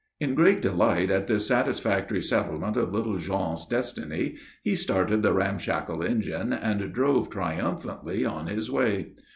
In great delight at this satisfactory settlement of little Jean's destiny, he started the ramshackle engine and drove triumphantly on his way.